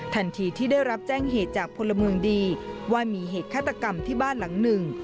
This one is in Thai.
ทันทีที่ได้รับแจ้งเหตุจากพลเมืองดีว่ามีเหตุฆาตกรรมที่บ้านหลังหนึ่ง